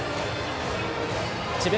智弁